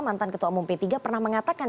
mantan ketua umum p tiga pernah mengatakan